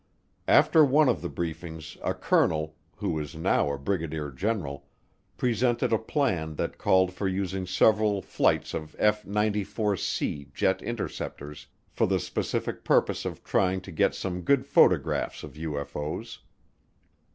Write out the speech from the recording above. After one of the briefings a colonel (who is now a brigadier general) presented a plan that called for using several flights of F 94C jet interceptors for the specific purpose of trying to get some good photographs of UFO's.